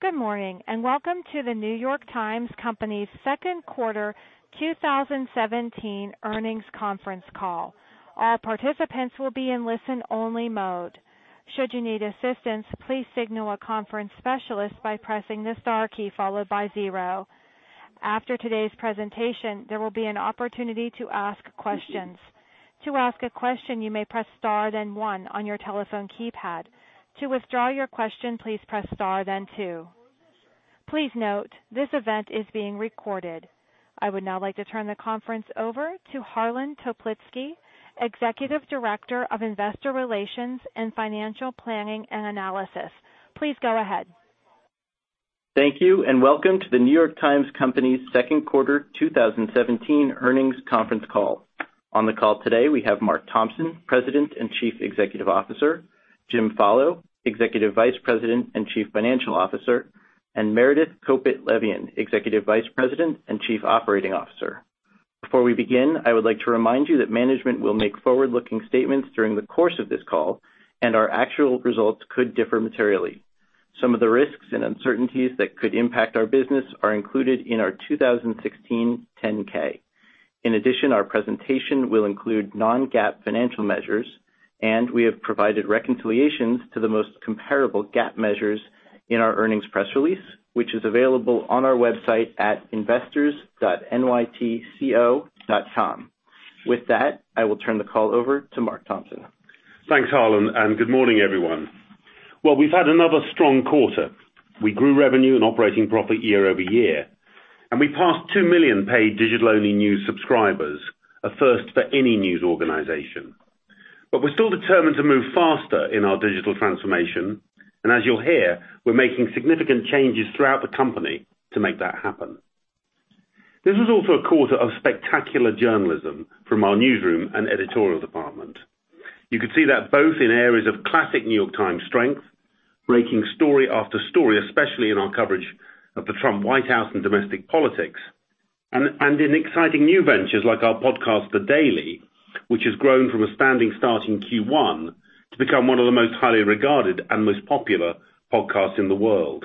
Good morning, and welcome to The New York Times Company's second quarter 2017 earnings conference call. All participants will be in listen-only mode. Should you need assistance, please signal a conference specialist by pressing the star key followed by zero. After today's presentation, there will be an opportunity to ask questions. To ask a question, you may press star then one on your telephone keypad. To withdraw your question, please press star then two. Please note, this event is being recorded. I would now like to turn the conference over to Harlan Toplitzky, Executive Director of Investor Relations and Financial Planning and Analysis. Please go ahead. Thank you, and welcome to The New York Times Company’s second quarter 2017 earnings conference call. On the call today, we have Mark Thompson, President and Chief Executive Officer, Jim Follo, Executive Vice President and Chief Financial Officer, and Meredith Kopit Levien, Executive Vice President and Chief Operating Officer. Before we begin, I would like to remind you that management will make forward-looking statements during the course of this call, and our actual results could differ materially. Some of the risks and uncertainties that could impact our business are included in our 2016 10-K. In addition, our presentation will include non-GAAP financial measures, and we have provided reconciliations to the most comparable GAAP measures in our earnings press release, which is available on our website at investors.nytco.com. With that, I will turn the call over to Mark Thompson. Thanks, Harlan, and good morning, everyone. Well, we've had another strong quarter. We grew revenue and operating profit year-over-year, and we passed 2 million paid digital-only news subscribers, a first for any news organization. We're still determined to move faster in our digital transformation, and as you'll hear, we're making significant changes throughout the company to make that happen. This was also a quarter of spectacular journalism from our newsroom and editorial department. You could see that both in areas of classic New York Times strength, breaking story after story, especially in our coverage of the Trump White House and domestic politics, and in exciting new ventures like our podcast, "The Daily," which has grown from a standing start in Q1 to become one of the most highly regarded and most popular podcasts in the world.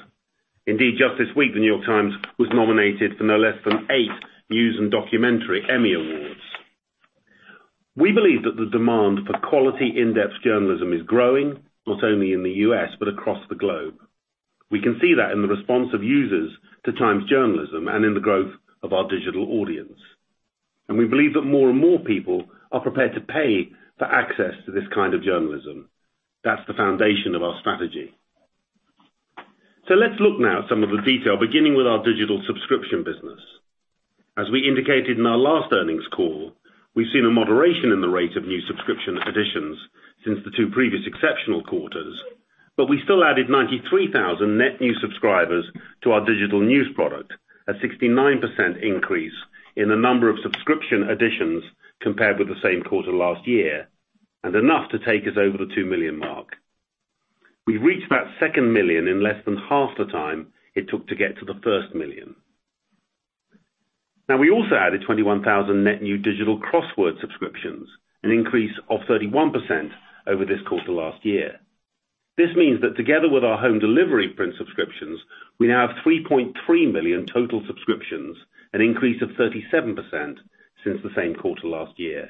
Indeed, just this week, The New York Times was nominated for no less than eight News and Documentary Emmy Awards. We believe that the demand for quality, in-depth journalism is growing, not only in the U.S., but across the globe. We can see that in the response of users to Times journalism and in the growth of our digital audience. We believe that more and more people are prepared to pay for access to this kind of journalism. That's the foundation of our strategy. Let's look now at some of the detail, beginning with our digital subscription business. As we indicated in our last earnings call, we've seen a moderation in the rate of new subscription additions since the two previous exceptional quarters, but we still added 93,000 net new subscribers to our digital news product, a 69% increase in the number of subscription additions compared with the same quarter last year, and enough to take us over the 2 million mark. We reached that 2 million in less than half the time it took to get to the 1 million. Now, we also added 21,000 net new digital crossword subscriptions, an increase of 31% over this quarter last year. This means that together with our home delivery print subscriptions, we now have 3.3 million total subscriptions, an increase of 37% since the same quarter last year.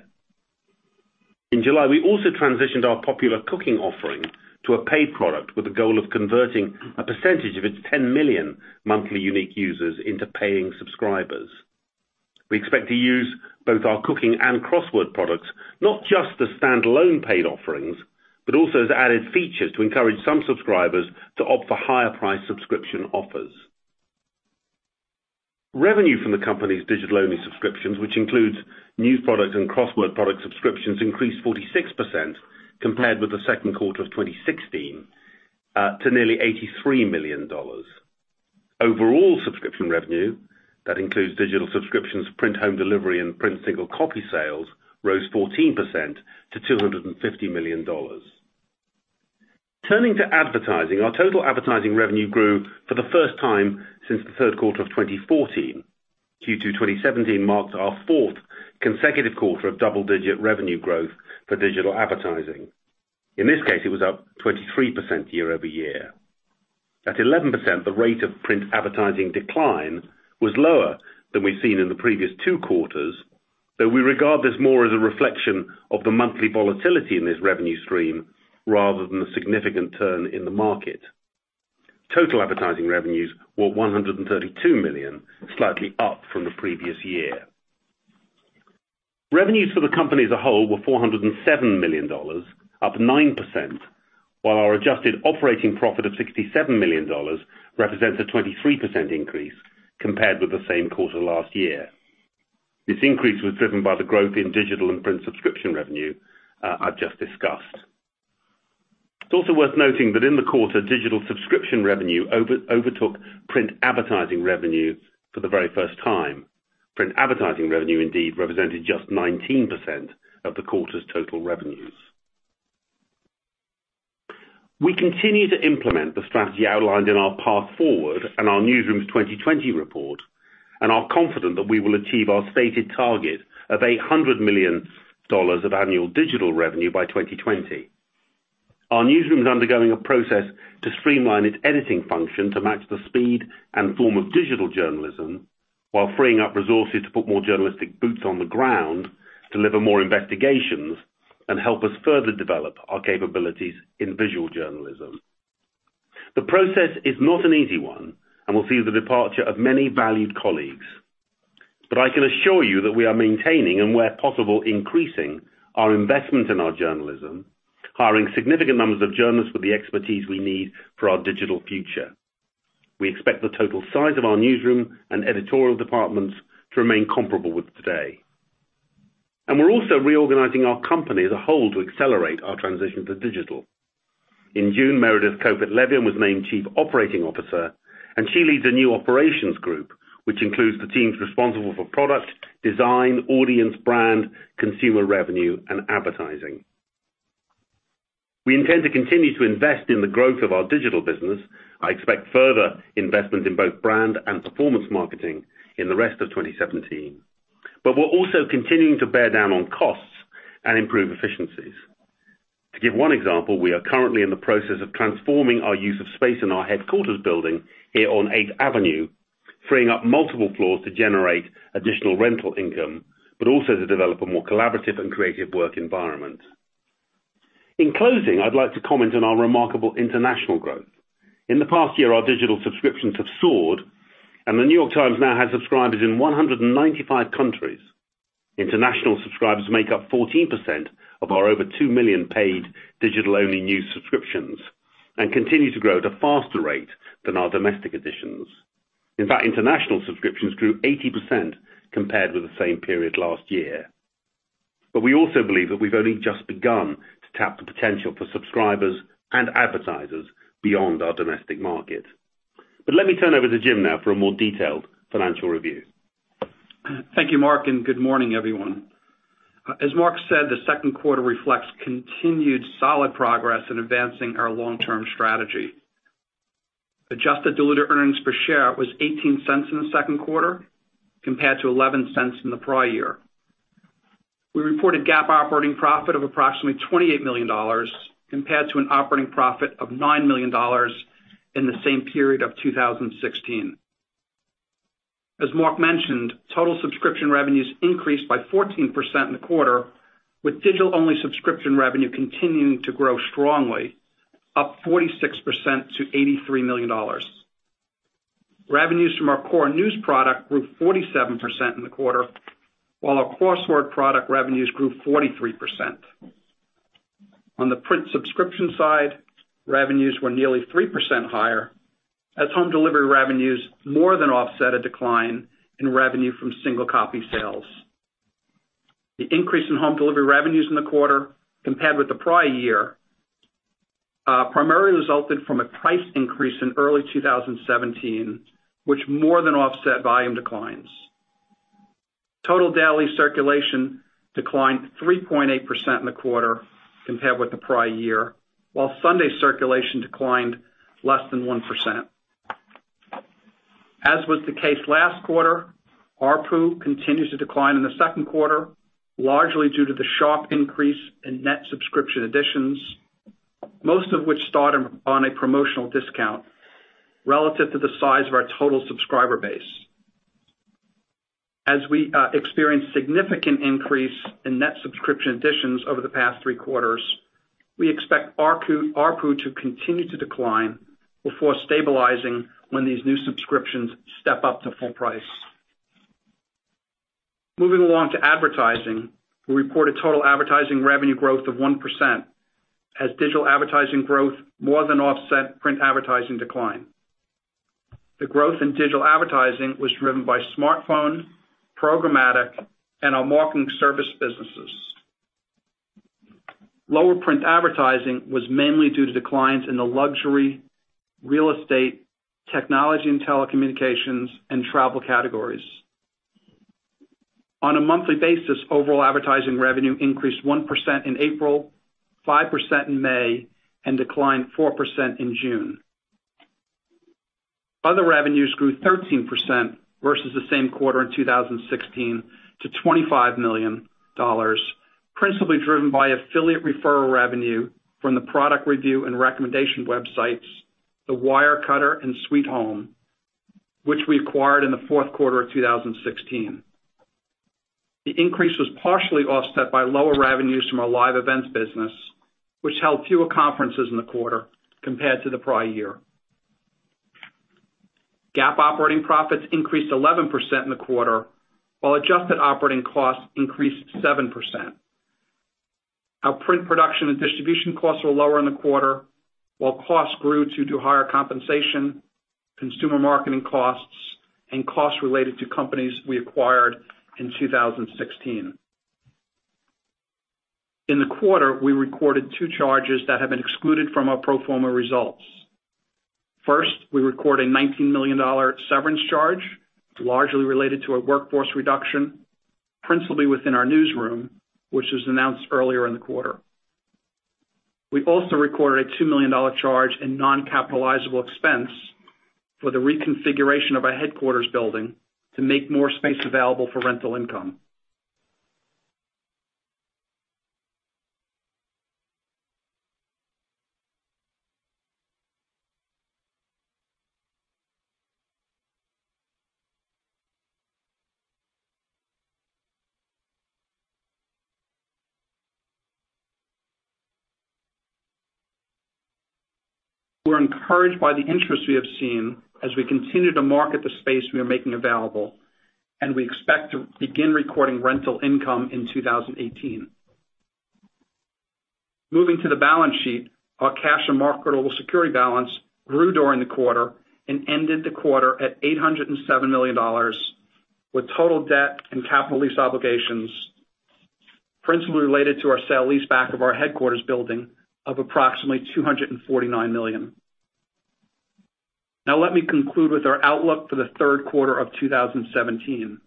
In July, we also transitioned our popular cooking offering to a paid product with the goal of converting a percentage of its 10 million monthly unique users into paying subscribers. We expect to use both our cooking and crossword products, not just as standalone paid offerings, but also as added features to encourage some subscribers to opt for higher priced subscription offers. Revenue from the company's digital-only subscriptions, which includes news products and crossword product subscriptions, increased 46% compared with the second quarter of 2016, to nearly $83 million. Overall subscription revenue, that includes digital subscriptions, print home delivery, and print single copy sales, rose 14% to $250 million. Turning to advertising, our total advertising revenue grew for the first time since the third quarter of 2014. Q2 2017 marks our fourth consecutive quarter of double-digit revenue growth for digital advertising. In this case, it was up 23% year-over-year. At 11%, the rate of print advertising decline was lower than we've seen in the previous two quarters, though we regard this more as a reflection of the monthly volatility in this revenue stream rather than a significant turn in the market. Total advertising revenues were $132 million, slightly up from the previous year. Revenues for the company as a whole were $407 million, up 9%, while our adjusted operating profit of $67 million represents a 23% increase compared with the same quarter last year. This increase was driven by the growth in digital and print subscription revenue I've just discussed. It's also worth noting that in the quarter, digital subscription revenue overtook print advertising revenue for the very first time. Print advertising revenue indeed represented just 19% of the quarter's total revenues. We continue to implement the strategy outlined in our path forward and our newsroom 2020 report. We are confident that we will achieve our stated target of $800 million of annual digital revenue by 2020. Our newsroom is undergoing a process to streamline its editing function to match the speed and form of digital journalism while freeing up resources to put more journalistic boots on the ground, deliver more investigations, and help us further develop our capabilities in visual journalism. The process is not an easy one and will see the departure of many valued colleagues. I can assure you that we are maintaining, and where possible, increasing our investment in our journalism, hiring significant numbers of journalists with the expertise we need for our digital future. We expect the total size of our newsroom and editorial departments to remain comparable with today. We're also reorganizing our company as a whole to accelerate our transition to digital. In June, Meredith Kopit Levien was named Chief Operating Officer, and she leads a new operations group, which includes the teams responsible for product, design, audience brand, consumer revenue, and advertising. We intend to continue to invest in the growth of our digital business. I expect further investment in both brand and performance marketing in the rest of 2017. We're also continuing to bear down on costs and improve efficiencies. To give one example, we are currently in the process of transforming our use of space in our headquarters building here on 8th Avenue, freeing up multiple floors to generate additional rental income, but also to develop a more collaborative and creative work environment. In closing, I'd like to comment on our remarkable international growth. In the past year, our digital subscriptions have soared, and The New York Times now has subscribers in 195 countries. International subscribers make up 14% of our over 2 million paid digital-only news subscriptions and continue to grow at a faster rate than our domestic editions. In fact, international subscriptions grew 80% compared with the same period last year. We also believe that we've only just begun to tap the potential for subscribers and advertisers beyond our domestic market. Let me turn over to Jim now for a more detailed financial review. Thank you, Mark, and good morning, everyone. As Mark said, the second quarter reflects continued solid progress in advancing our long-term strategy. Adjusted diluted earnings per share was $0.18 in the second quarter, compared to $0.11 in the prior year. We reported GAAP operating profit of approximately $28 million compared to an operating profit of $9 million in the same period of 2016. As Mark mentioned, total subscription revenues increased by 14% in the quarter, with digital-only subscription revenue continuing to grow strongly, up 46% to $83 million. Revenues from our core news product grew 47% in the quarter, while our crossword product revenues grew 43%. On the print subscription side, revenues were nearly 3% higher as home delivery revenues more than offset a decline in revenue from single copy sales. The increase in home delivery revenues in the quarter compared with the prior year primarily resulted from a price increase in early 2017, which more than offset volume declines. Total daily circulation declined 3.8% in the quarter compared with the prior year, while Sunday circulation declined less than 1%. As was the case last quarter, ARPU continues to decline in the second quarter, largely due to the sharp increase in net subscription additions, most of which start on a promotional discount relative to the size of our total subscriber base. As we experienced significant increase in net subscription additions over the past three quarters, we expect ARPU to continue to decline before stabilizing when these new subscriptions step up to full price. Moving along to advertising, we reported total advertising revenue growth of 1% as digital advertising growth more than offset print advertising decline. The growth in digital advertising was driven by smartphone, programmatic, and our marketing service businesses. Lower print advertising was mainly due to declines in the luxury, real estate, technology and telecommunications, and travel categories. On a monthly basis, overall advertising revenue increased 1% in April, 5% in May, and declined 4% in June. Other revenues grew 13% versus the same quarter in 2016 to $25 million, principally driven by affiliate referral revenue from the product review and recommendation websites The Wirecutter and The Sweethome, which we acquired in the fourth quarter of 2016. The increase was partially offset by lower revenues from our live events business, which held fewer conferences in the quarter compared to the prior year. GAAP operating profits increased 11% in the quarter, while adjusted operating costs increased 7%. Our print production and distribution costs were lower in the quarter, while costs grew due to higher compensation, consumer marketing costs, and costs related to companies we acquired in 2016. In the quarter, we recorded two charges that have been excluded from our pro forma results. First, we record a $19 million severance charge, largely related to a workforce reduction, principally within our newsroom, which was announced earlier in the quarter. We also recorded a $2 million charge in non-capitalizable expense for the reconfiguration of our headquarters building to make more space available for rental income. We're encouraged by the interest we have seen as we continue to market the space we are making available, and we expect to begin recording rental income in 2018. Moving to the balance sheet, our cash and marketable securities balance grew during the quarter and ended the quarter at $807 million, with total debt and capital lease obligations principally related to our sale-leaseback of our headquarters building of approximately $249 million. Now, let me conclude with our outlook for the third quarter of 2017.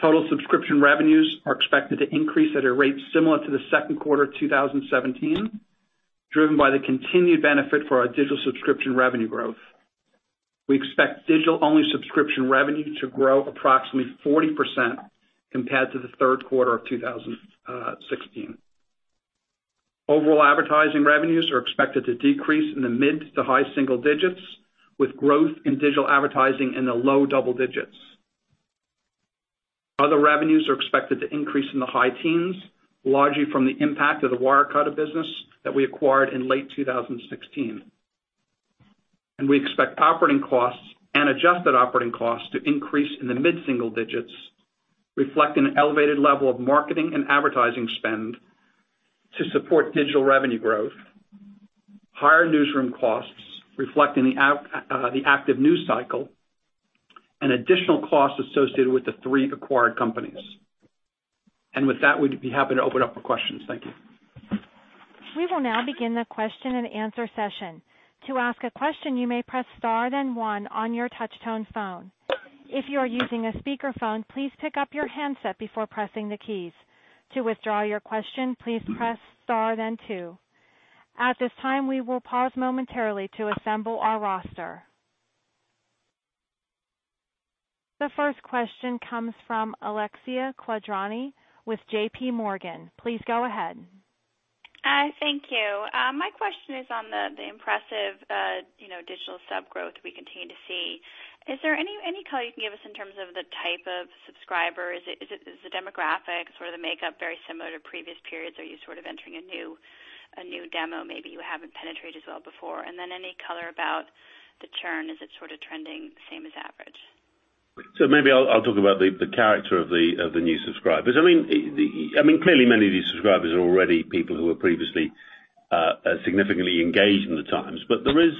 Total subscription revenues are expected to increase at a rate similar to the second quarter 2017, driven by the continued benefit from our digital subscription revenue growth. We expect digital-only subscription revenue to grow approximately 40% compared to the third quarter of 2016. Overall advertising revenues are expected to decrease in the mid- to high-single digits, with growth in digital advertising in the low-double digits. Other revenues are expected to increase in the high teens, largely from the impact of The Wirecutter business that we acquired in late 2016. We expect operating costs and adjusted operating costs to increase in the mid-single digits, reflecting an elevated level of marketing and advertising spend to support digital revenue growth, higher newsroom costs, reflecting the active news cycle, and additional costs associated with the three acquired companies. With that, we'd be happy to open up for questions. Thank you. We will now begin the question-and-answer session. To ask a question, you may press star then one on your touch-tone phone. If you are using a speakerphone, please pick up your handset before pressing the keys. To withdraw your question, please press star then two. At this time, we will pause momentarily to assemble our roster. The first question comes from Alexia Quadrani with JPMorgan. Please go ahead. Thank you. My question is on the impressive digital sub growth we continue to see. Is there any color you can give us in terms of the type of subscriber? Is the demographic, sort of the makeup, very similar to previous periods? Are you sort of entering a new demo maybe you haven't penetrated as well before? Any color about the churn? Is it sort of trending same as average? Maybe I'll talk about the character of the new subscribers. Clearly many of these subscribers are already people who were previously significantly engaged in The Times, but there is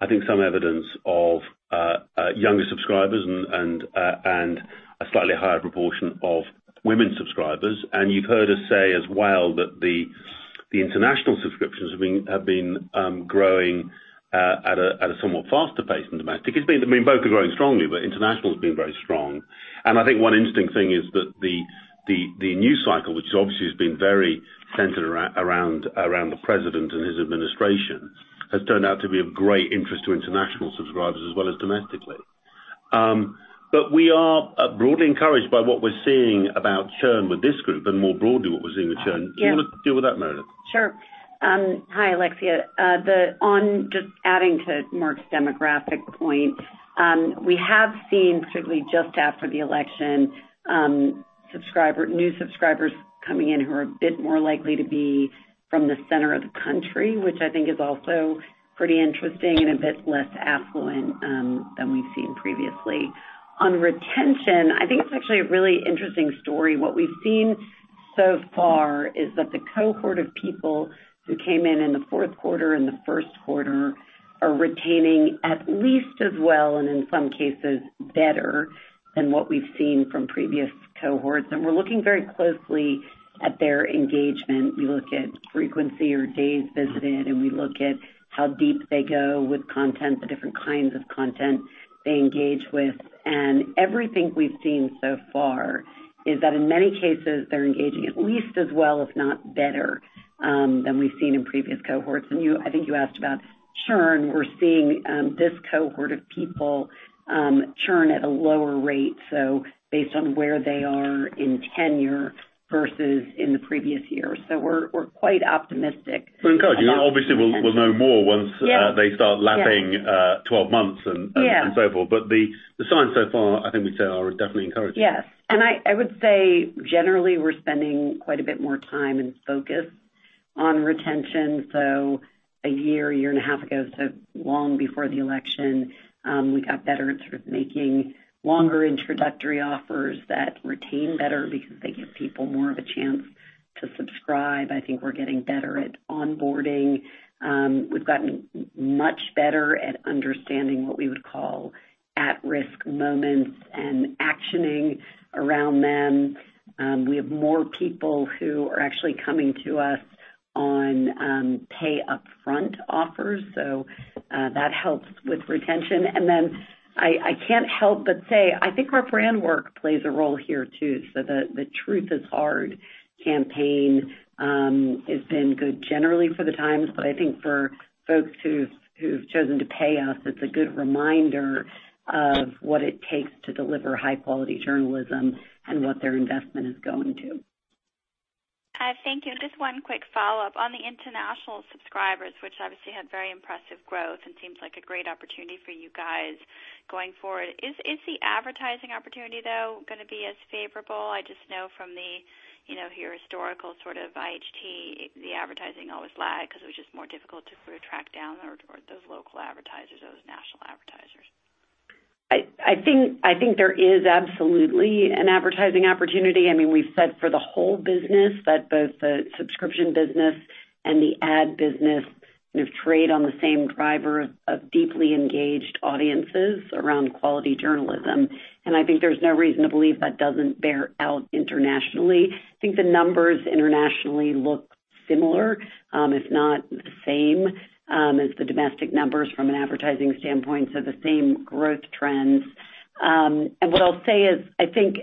I think, some evidence of younger subscribers and a slightly higher proportion of women subscribers. You've heard us say as well that the international subscriptions have been growing at a somewhat faster pace than domestic. Both are growing strongly, but international has been very strong. I think one interesting thing is that the news cycle, which obviously has been very centered around the President and his administration, has turned out to be of great interest to international subscribers as well as domestically. We are broadly encouraged by what we're seeing about churn with this group and more broadly what we're seeing with churn. Do you want to deal with that, Meredith? Sure. Hi, Alexia. Just adding to Mark's demographic point, we have seen particularly just after the election, new subscribers coming in who are a bit more likely to be from the center of the country, which I think is also pretty interesting and a bit less affluent than we've seen previously. On retention, I think it's actually a really interesting story. What we've seen so far is that the cohort of people who came in in the fourth quarter and the first quarter are retaining at least as well, and in some cases better than what we've seen from previous cohorts. We're looking very closely at their engagement. We look at frequency or days visited, and we look at how deep they go with content, the different kinds of content they engage with. Everything we've seen so far is that in many cases, they're engaging at least as well, if not better, than we've seen in previous cohorts. I think you asked about churn. We're seeing this cohort of people churn at a lower rate, so based on where they are in tenure versus in the previous year. We're quite optimistic. We're encouraged. Obviously we'll know more once they start lapping 12 months and so forth. The signs so far, I think we'd say, are definitely encouraging. Yes. I would say generally, we're spending quite a bit more time and focus on retention. A year and a half ago, so long before the election, we got better at sort of making longer introductory offers that retain better because they give people more of a chance to subscribe. I think we're getting better at onboarding. We've gotten much better at understanding what we would call at-risk moments and actioning around them. We have more people who are actually coming to us on and pay upfront offers, so that helps with retention. I can't help but say, I think our brand work plays a role here too. The Truth Is Hard campaign has been good generally for The Times, but I think for folks who've chosen to pay us, it's a good reminder of what it takes to deliver high-quality journalism and what their investment is going to. Thank you. Just one quick follow-up on the international subscribers, which obviously had very impressive growth and seems like a great opportunity for you guys going forward. Is the advertising opportunity, though, going to be as favorable? I just know from your historical sort of IHT, the advertising always lagged because it was just more difficult to track down those local advertisers, those national advertisers. I think there is absolutely an advertising opportunity. We've said for the whole business that both the subscription business and the ad business trade on the same driver of deeply engaged audiences around quality journalism. I think there's no reason to believe that doesn't bear out internationally. I think the numbers internationally look similar if not the same as the domestic numbers from an advertising standpoint, so the same growth trends. What I'll say is, I think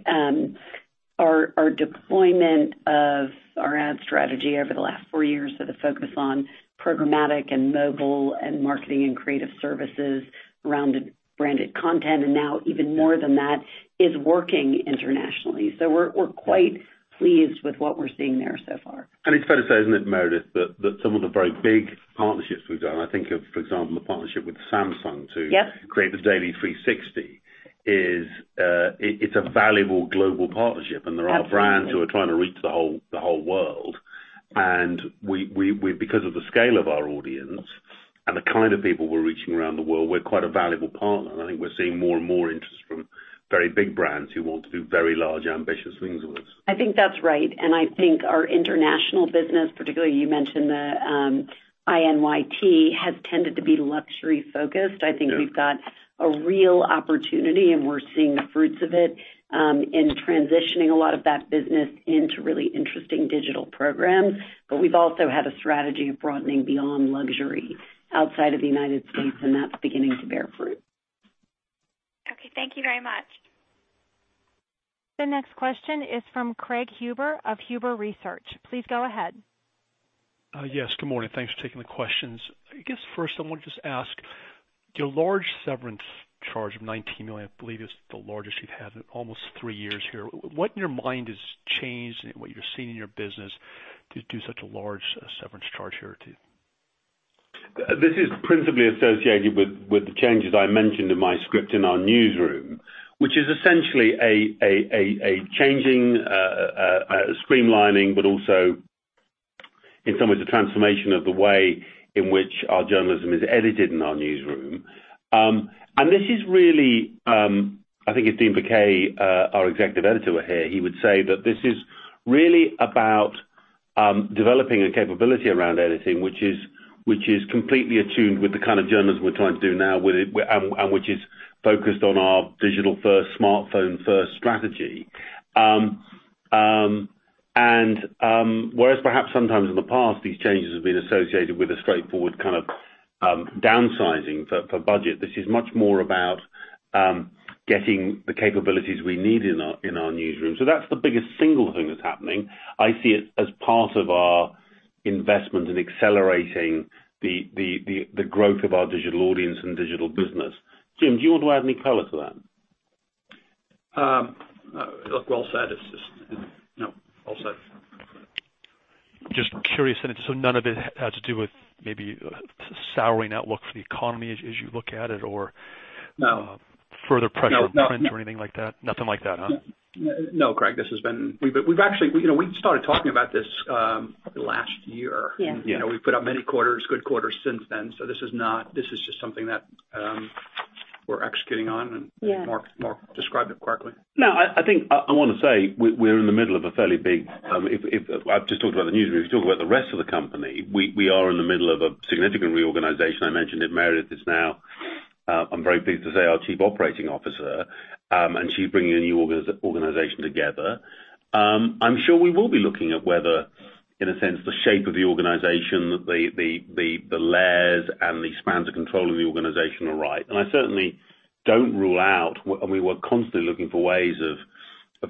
our deployment of our ad strategy over the last four years, so the focus on programmatic and mobile and marketing and creative services around branded content, and now even more than that, is working internationally. We're quite pleased with what we're seeing there so far. It's fair to say, isn't it, Meredith, that some of the very big partnerships we've done, I think of, for example, the partnership with Samsung to create The Daily 360 is, it's a valuable global partnership, and there are brands who are trying to reach the whole world. Because of the scale of our audience and the kind of people we're reaching around the world, we're quite a valuable partner. I think we're seeing more and more interest from very big brands who want to do very large, ambitious things with us. I think that's right. I think our international business, particularly you mentioned the INYT, has tended to be luxury-focused. Yeah. I think we've got a real opportunity, and we're seeing the fruits of it in transitioning a lot of that business into really interesting digital programs. We've also had a strategy of broadening beyond luxury outside of the United States, and that's beginning to bear fruit. Okay. Thank you very much. The next question is from Craig Huber of Huber Research. Please go ahead. Yes, good morning. Thanks for taking the questions. I guess first I want to just ask, your large severance charge of $19 million, I believe is the largest you've had in almost three years here. What in your mind has changed in what you're seeing in your business to do such a large severance charge here to you? This is principally associated with the changes I mentioned in my script in our newsroom, which is essentially a changing, a streamlining, but also in some ways a transformation of the way in which our journalism is edited in our newsroom. This is really, I think if Dean Baquet, our Executive Editor were here, he would say that this is really about developing a capability around editing, which is completely attuned with the kind of journalism we're trying to do now, and which is focused on our digital-first, smartphone-first strategy. Whereas perhaps sometimes in the past, these changes have been associated with a straightforward kind of downsizing for budget. This is much more about getting the capabilities we need in our newsroom. That's the biggest single thing that's happening. I see it as part of our investment in accelerating the growth of our digital audience and digital business. Jim, do you want to add any color to that? Look, well said. No, all set. Just curious, none of it had to do with maybe souring outlook for the economy as you look at it or? No Further pressure on print or anything like that? Nothing like that, huh? No, Craig, we started talking about this last year. We've put up many quarters, good quarters since then. This is just something that we're executing on, and Mark described it clearly. No, I think I want to say we're in the middle of a fairly big. I've just talked about the newsroom. If you talk about the rest of the company, we are in the middle of a significant reorganization. I mentioned that Meredith is now, I'm very pleased to say, our Chief Operating Officer, and she's bringing a new organization together. I'm sure we will be looking at whether, in a sense, the shape of the organization, the layers and the spans of control of the organization are right. I certainly don't rule out, and we were constantly looking for ways of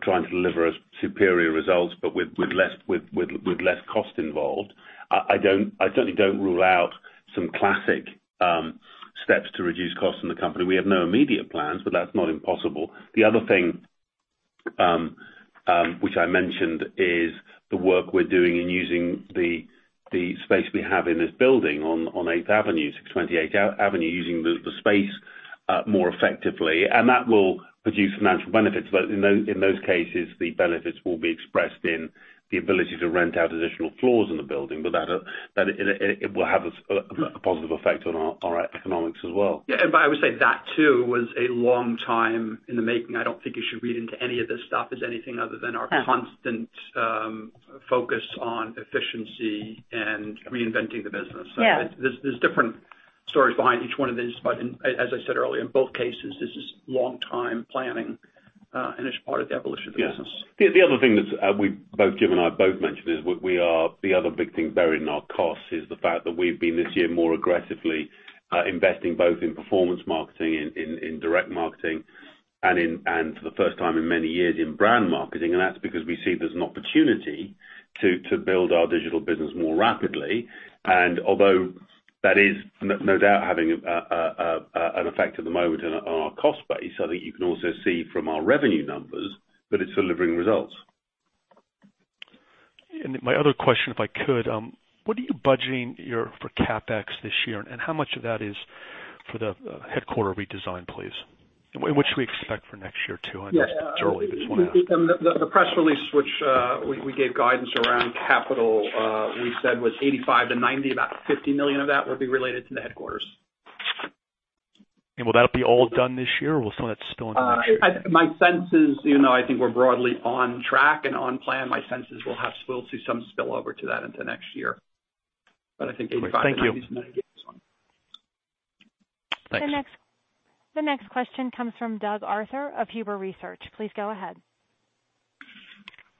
trying to deliver superior results, but with less cost involved. I certainly don't rule out some classic steps to reduce costs in the company. We have no immediate plans, but that's not impossible. The other thing, which I mentioned is the work we're doing in using the space we have in this building on 8th Avenue, 620 8th Avenue, using the space more effectively. That will produce financial benefits. In those cases, the benefits will be expressed in the ability to rent out additional floors in the building, but it will have a positive effect on our economics as well. Yeah, I would say that, too, was a long time in the making. I don't think you should read into any of this stuff as anything other than our constant focus on efficiency and reinventing the business. There's different. Stories behind each one of these, but as I said earlier, in both cases, this is long time planning, and it's part of the evolution of the business. Yeah. The other thing that both Jim and I mentioned is the other big thing buried in our costs is the fact that we've been, this year, more aggressively investing both in performance marketing, in direct marketing, and for the first time in many years, in brand marketing. That's because we see there's an opportunity to build our digital business more rapidly. Although that is no doubt having an effect at the moment on our cost base, I think you can also see from our revenue numbers that it's delivering results. My other question, if I could, what are you budgeting for CapEx this year, and how much of that is for the headquarters redesign, please? What should we expect for next year, too? I know it's early, but I just want to ask. The press release, which we gave guidance around capital, we said was $85-$90. About $50 million of that will be related to the headquarters. Will that be all done this year or will some of that spill into next year? My sense is, I think we're broadly on track and on plan. My sense is we'll see some spillover to that into next year. I think $85-$90 is going to get us going. Thank you. Thanks. The next question comes from Doug Arthur of Huber Research. Please go ahead.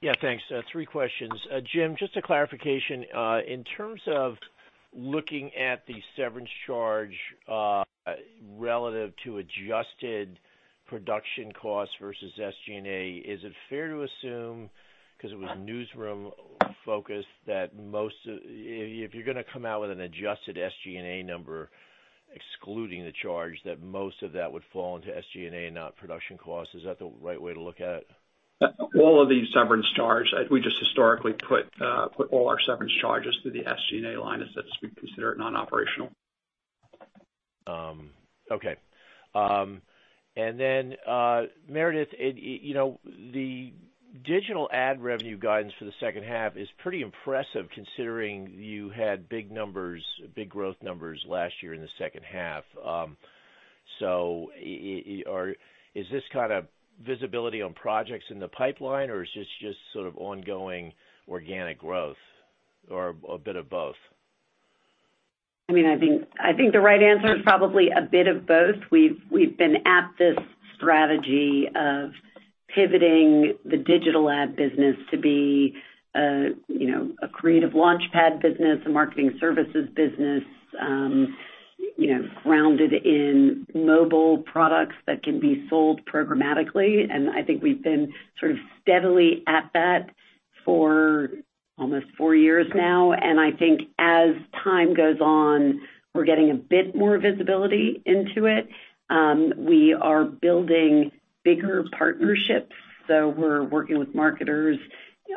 Yeah, thanks. Three questions. Jim, just a clarification. In terms of looking at the severance charge, relative to adjusted production costs versus SG&A, is it fair to assume, because it was newsroom-focused, that if you're going to come out with an adjusted SG&A number excluding the charge, that most of that would fall into SG&A, not production costs? Is that the right way to look at it? All of the severance charge, we just historically put all our severance charges to the SG&A line as we consider it non-operational. Okay. Meredith, the digital ad revenue guidance for the second half is pretty impressive considering you had big growth numbers last year in the second half. Is this kind of visibility on projects in the pipeline, or is this just sort of ongoing organic growth or a bit of both? I think the right answer is probably a bit of both. We've been at this strategy of pivoting the digital ad business to be a creative launchpad business, a marketing services business, grounded in mobile products that can be sold programmatically. I think we've been sort of steadily at that for almost four years now. I think as time goes on, we're getting a bit more visibility into it. We are building bigger partnerships, so we're working with marketers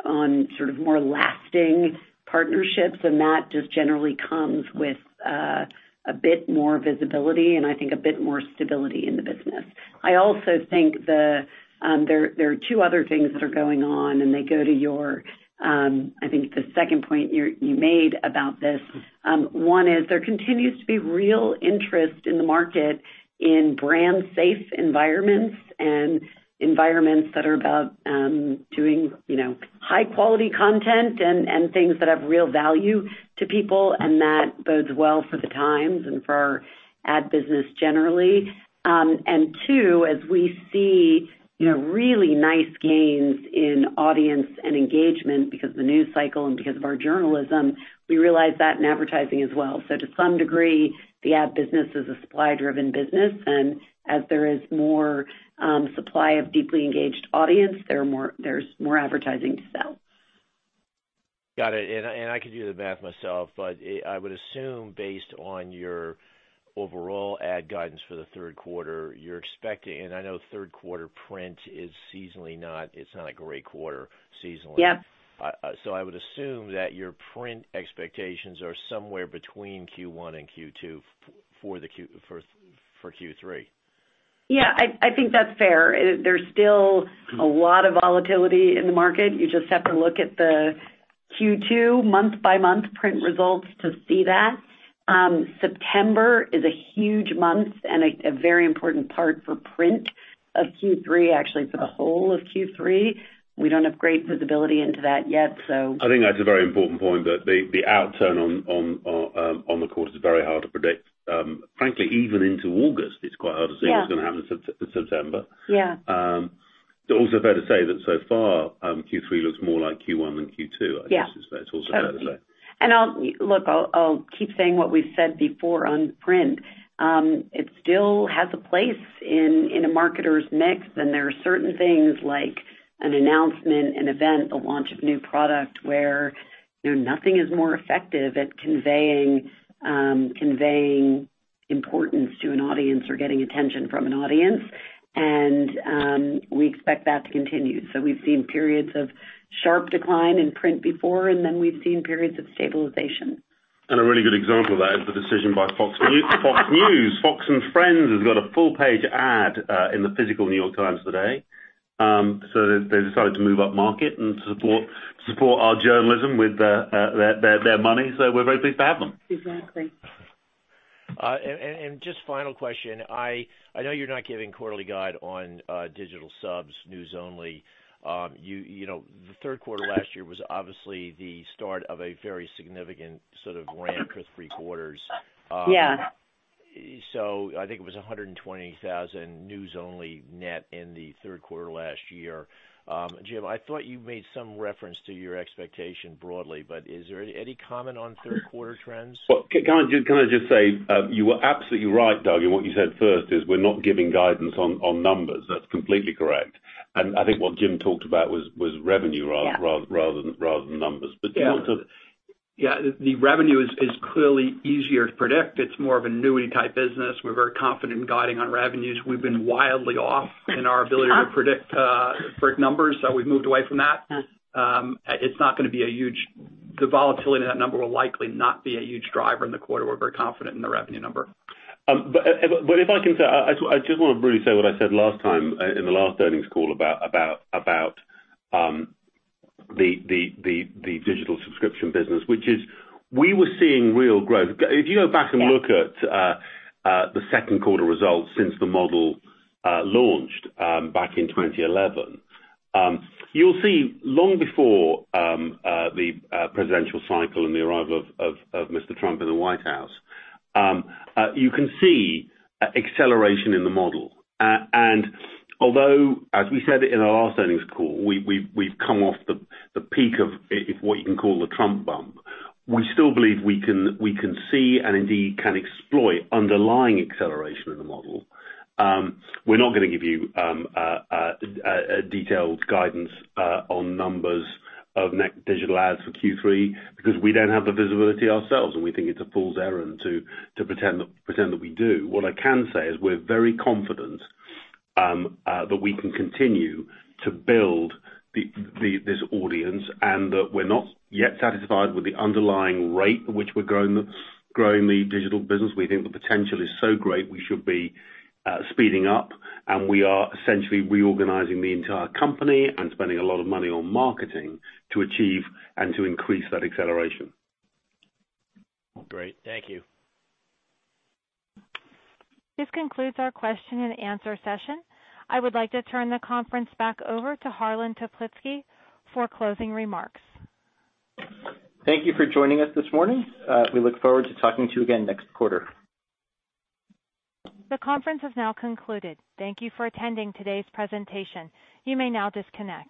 on sort of more lasting partnerships, and that just generally comes with a bit more visibility and I think a bit more stability in the business. I also think there are two other things that are going on and they go to your, I think the second point you made about this. One is, there continues to be real interest in the market in brand safe environments and environments that are about doing high quality content and things that have real value to people, and that bodes well for the times and for our ad business generally. Two, as we see really nice gains in audience and engagement because of the news cycle and because of our journalism, we realize that in advertising as well. To some degree, the ad business is a supply-driven business, and as there is more supply of deeply engaged audience, there's more advertising to sell. Got it. I could do the math myself, but I would assume based on your overall ad guidance for the third quarter, you're expecting, and I know third quarter print is seasonally not a great quarter. Yeah. I would assume that your print expectations are somewhere between Q1 and Q2 for Q3. Yeah, I think that's fair. There's still a lot of volatility in the market. You just have to look at the Q2 month-by-month print results to see that. September is a huge month and a very important part for print of Q3, actually for the whole of Q3. We don't have great visibility into that yet, so. I think that's a very important point, that the outturn on the quarter is very hard to predict. Frankly, even into August, it's quite hard to see. Yeah What's going to happen in September. Yeah. It's also fair to say that so far, Q3 looks more like Q1 than Q2, I guess. Yeah It's also fair to say. Look, I'll keep saying what we've said before on print. It still has a place in a marketer's mix. There are certain things like an announcement, an event, a launch of new product where nothing is more effective at conveying importance to an audience or getting attention from an audience. We expect that to continue. We've seen periods of sharp decline in print before, and then we've seen periods of stabilization. A really good example of that is the decision by Fox News. Fox & Friends has got a full-page ad in the physical New York Times today. They decided to move up market and support our journalism with their money, so we're very pleased to have them. Exactly. Just final question. I know you're not giving quarterly guide on digital subs news only. The third quarter last year was obviously the start of a very significant sort of ramp with three quarters. Yeah. I think it was 120,000 news only net in the third quarter last year. Jim, I thought you made some reference to your expectation broadly, but is there any comment on third quarter trends? Well, can I just say, you were absolutely right, Doug. What you said first is we're not giving guidance on numbers. That's completely correct. I think what Jim talked about was revenue rather than numbers. In terms of- Yeah. The revenue is clearly easier to predict. It's more of an annuity type business. We're very confident in guiding on revenues. We've been wildly off in our ability to predict print numbers, so we've moved away from that. The volatility in that number will likely not be a huge driver in the quarter. We're very confident in the revenue number. If I can say, I just want to really say what I said last time in the last earnings call about the digital subscription business, which is we were seeing real growth. If you go back and look at the second quarter results since the model launched back in 2011, you'll see acceleration long before the presidential cycle and the arrival of Mr. Trump in the White House. You can see acceleration in the model. Although, as we said in our last earnings call, we've come off the peak of what you can call the Trump bump. We still believe we can see and indeed can exploit underlying acceleration in the model. We're not going to give you detailed guidance on numbers of net digital adds for Q3 because we don't have the visibility ourselves, and we think it's a fool's errand to pretend that we do. What I can say is we're very confident that we can continue to build this audience and that we're not yet satisfied with the underlying rate at which we're growing the digital business. We think the potential is so great, we should be speeding up, and we are essentially reorganizing the entire company and spending a lot of money on marketing to achieve and to increase that acceleration. Great. Thank you. This concludes our question-and answer session. I would like to turn the conference back over to Harlan Toplitzky for closing remarks. Thank you for joining us this morning. We look forward to talking to you again next quarter. The conference has now concluded. Thank you for attending today's presentation. You may now disconnect.